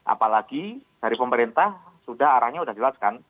apalagi dari pemerintah sudah arahnya sudah jelaskan